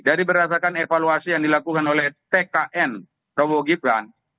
dari berdasarkan evaluasi yang dilakukan oleh tkn prabowo gibran